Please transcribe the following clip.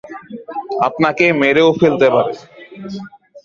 আপনাকে মেরেও ফেলতে পারে।